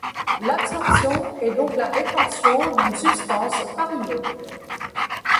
L’absorption est donc la rétention d’une substance par une autre.